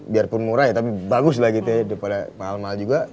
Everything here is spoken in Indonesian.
biarpun murah ya tapi bagus lah gitu ya daripada mahal mahal juga